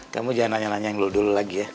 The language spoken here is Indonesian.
kamu jangan nanya nanya yang dulu dulu lagi ya